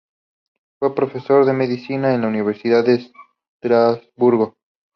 Fue profesor de medicina en la Universidad de Estrasburgo.